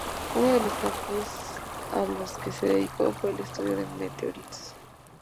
Uno de los campos a los que se dedicó fue al estudio de meteoritos.